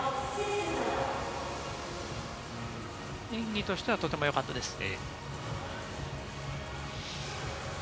演技としては、とてもよかったですね。